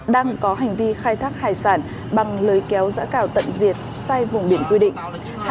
đang có hành vi khai thác hải sản bằng lời kéo giã cào tận diệt sai vùng biển quy định